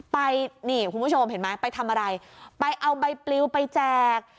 ไปนี่คุณผู้ชมเห็นไหมไปทำอะไรไปเอาใบปลิวไปแจก